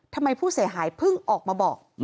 ทำไมผู้เสียหายเพิ่งออกมาบอก